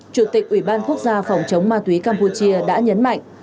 chủ tịch ủy ban quốc gia phòng chống ma túy campuchia đã nhấn mạnh